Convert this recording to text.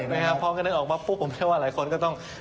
เพราะก็นึกออกว่าปุ๊บผมเรียกว่าหลายคนก็ต้อง